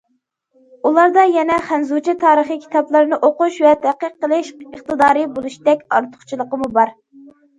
ئۇلاردا يەنە خەنزۇچە تارىخىي كىتابلارنى ئوقۇش ۋە تەتقىق قىلىش ئىقتىدارى بولۇشتەك ئارتۇقچىلىقمۇ بار.